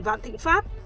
vạn thịnh pháp